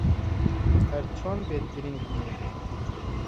ھەر چۆن بێت، گرنگ نییە.